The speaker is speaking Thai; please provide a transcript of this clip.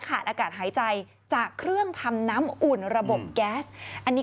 อากาศหายใจจากเครื่องทำน้ำอุ่นระบบแก๊สอันนี้